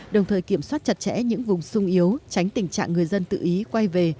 đồng thời kiểm soát chặt chẽ những vùng sung yếu tránh tình trạng người dân tự ý quay về